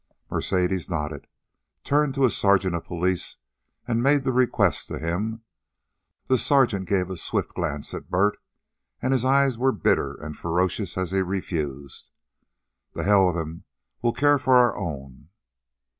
Mercedes nodded, turned to a sergeant of police, and made the request to him. The sergeant gave a swift glance at Bert, and his eyes were bitter and ferocious as he refused. "To hell with'm. We'll care for our own."